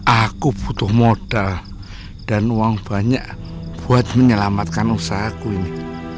aku butuh modal dan uang banyak buat menyelamatkan usahaku ini